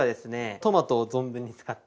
トマトを存分に使った。